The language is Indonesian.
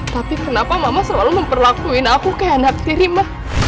tapi kenapa mama selalu memperlakuin aku kayak anak kiri mah